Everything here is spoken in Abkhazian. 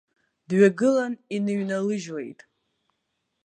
Дҩагылан иныҩналыжьлеит.